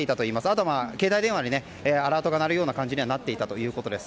あと、携帯電話にアラートが鳴るような感じにはなっていたということです。